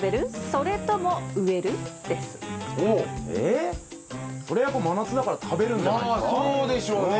それはやっぱ真夏だから食べるんじゃないですか？